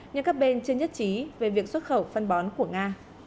nhưng các bên chưa nhất trí về việc xuất khẩu phân bón của nga